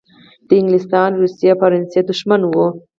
د انګلستان، روسیې او فرانسې دښمن وو.